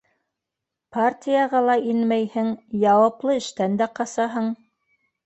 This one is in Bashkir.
Партияға ла инмәйһең, яуаплы эштән дә ҡасаһың...